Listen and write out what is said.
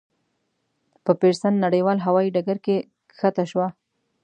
په پېرسن نړیوال هوایي ډګر کې کښته شوه.